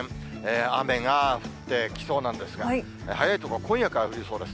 雨が降ってきそうなんですが、早い所は今夜から降りそうです。